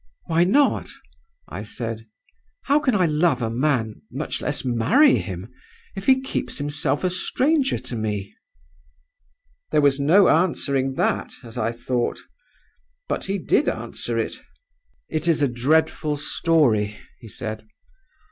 "'Why not?' I said. 'How can I love a man much less marry him if he keeps himself a stranger to me?' "There was no answering that, as I thought. But he did answer it. "'It is a dreadful story,' he said.